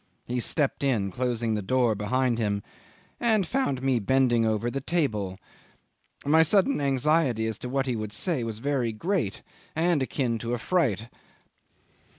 He stepped in, closing the door behind him, and found me bending over the table: my sudden anxiety as to what he would say was very great, and akin to a fright.